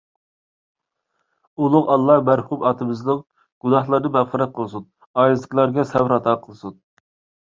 ئۇلۇغ ئاللاھ مەرھۇم ئاتىمىزنىڭ گۇناھلىرىنى مەغپىرەت قىلسۇن. ئائىلىسىدىكىلەرگە سەۋر ئاتا قىلسۇن.